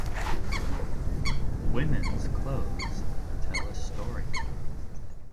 Women's clothes tell a story.